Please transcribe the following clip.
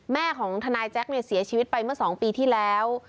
แม่ของทนายแจ๊คเสียชีวิตไปเมื่อ๒ปีที่แล้ว